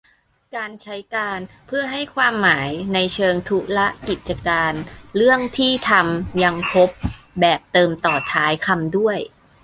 การใช้ "การ" เพื่อให้ความหมายในเชิง ธุระ กิจการ เรื่องที่ทำ ยังพบแบบเติมต่อท้ายคำด้วย